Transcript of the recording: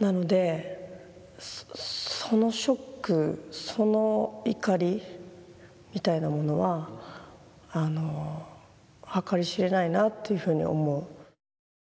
なのでそのショックその怒りみたいなものは計り知れないなというふうに思う。